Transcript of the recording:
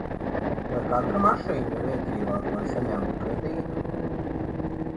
Vai katru mašīnu var ieķīlāt, lai saņemtu kredītu?